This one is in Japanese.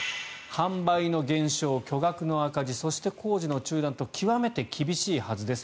販売の減少、巨額の赤字そして工事の中断と極めて厳しいはずです。